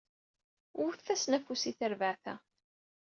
Wwtet-asen afus i terbeɛt-a!